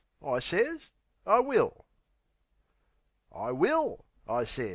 I sez, "I will." "I will," I sez.